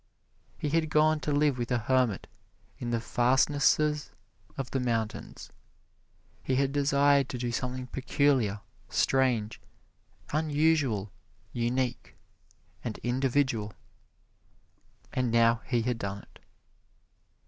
He had gone to live with a hermit in the fastnesses of the mountains. He had desired to do something peculiar, strange, unusual, unique and individual, and now he had done it.